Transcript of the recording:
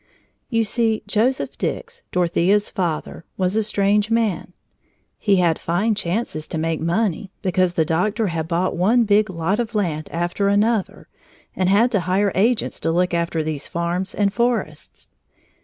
You see, Joseph Dix, Dorothea's father, was a strange man. He had fine chances to make money because the doctor had bought one big lot of land after another and had to hire agents to look after these farms and forests.